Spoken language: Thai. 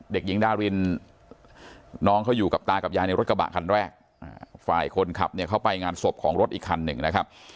เด็กหญิงดารินน้องเขาอยู่กับตากับยายในรถกระบะคันแรกฝ่ายคนขับเนี่ยเขาไปงานศพของรถอีกคันหนึ่งนะครับ